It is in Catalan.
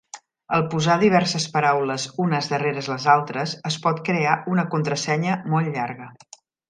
Al posar diverses paraules unes darrere les altres, es pot crear una contrasenya molt llarga.